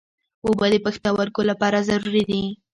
اوبه د پښتورګو لپاره ضروري دي.